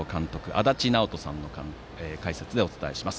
足達尚人さんの解説でお伝えします。